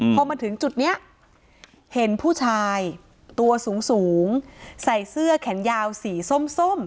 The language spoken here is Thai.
พอมาถึงจุดนี้เห็นผู้ชายตัวสูงใส่เสื้อแขนยาวสีส้ม